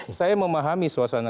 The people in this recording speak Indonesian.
memang saya memahami suasana